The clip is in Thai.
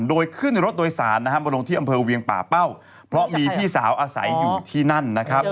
โดยขึ้นรถโดยสารนะครับมาลงที่อำเภอเวียงป่าเป้าเพราะมีพี่สาวอาศัยอยู่ที่นั่นนะครับ